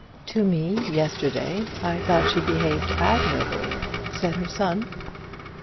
"To me, yesterday, I thought she behaved admirably," said her son.